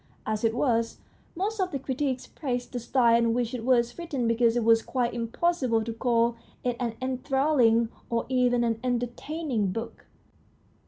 As it was, most of the critics praised the style in which it was written because it was quite impossible to call it an enthralling or even an entertaining book.